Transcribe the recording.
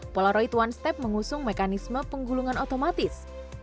polaroid one step mengusung mekanisme penggulungan otomatis